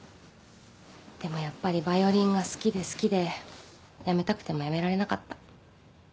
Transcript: でもやっぱりヴァイオリンが好きで好きでやめたくてもやめられなかった。